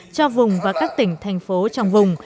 cho vùng và các tỉnh thành phố trong vùng